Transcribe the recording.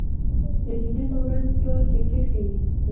د جمعې په ورځ ټول کرکټ کوي.